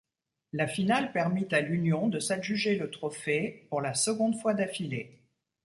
La finale permit à l'Union de s'adjuger le trophée pour la seconde fois d'affilée.